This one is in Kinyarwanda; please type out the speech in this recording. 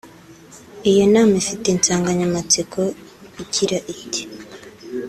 Iyo nama ifite insanganyamatsiko igira iti